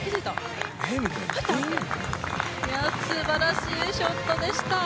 素晴らしいショットでした。